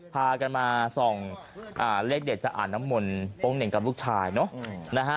พากันมาส่องเลขเด็ดจะอ่านน้ำมนต์โป๊งเหน่งกับลูกชายเนอะนะฮะ